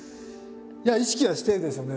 いや意識はしてるでしょうね